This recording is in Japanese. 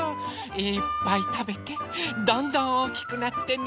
いっぱいたべてどんどんおおきくなってね。